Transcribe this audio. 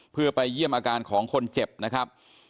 เพื่อไปเยี่ยมอาการของคนเจ็บนะครับ